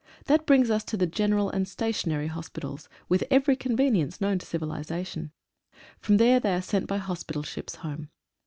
That brings us to the general and stationary hos pitals, with every convenience known to civilisation. From there they are sent by hospital ships home.